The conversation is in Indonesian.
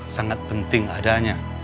sangat penting adanya